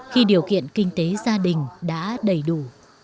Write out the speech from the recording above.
khi điều kiện kinh tế gia đình đã đầy đủ